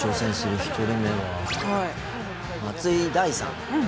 松井大さん。